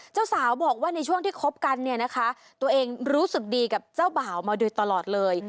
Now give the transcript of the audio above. เจ้าสาวบอกว่าในช่วงที่คบกันเนี่ยนะคะตัวเองรู้สึกดีกับเจ้าบ่าวมาโดยตลอดเลย